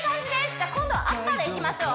じゃあ今度アッパーでいきましょう